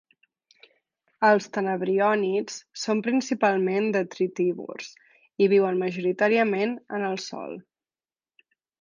Els tenebriònids són principalment detritívors i viuen majoritàriament en el sòl.